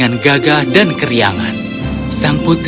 saya partout tetapi sendiri